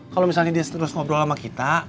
kalau misalnya dia terus ngobrol sama kita